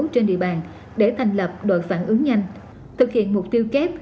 trên địa bàn để thành lập đội phản ứng nhanh thực hiện mục tiêu kép